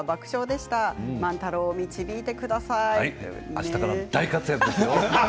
あしたからも大活躍ですよ。